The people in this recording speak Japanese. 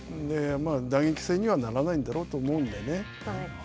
打撃戦にはならないんだろうと思うのでね。